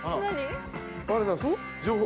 ありがとうございます。